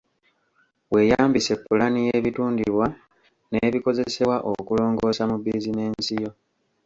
Weeyambise pulaani y’ebitundibwa n’ebikozesebwa okulongoosa mu bizinensi yo.